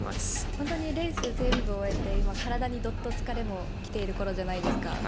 本当にレース全部終えて今体にどっと疲れもきているころじゃないですか？